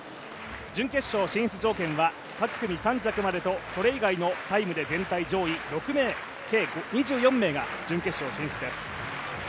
準決勝進出条件は各組３着までとそれ以外のタイムで全体上位６名計２４名が準決勝進出です。